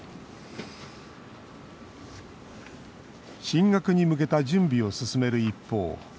進学に向けた準備を進める一方